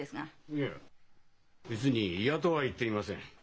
いえ別に嫌とは言っていません。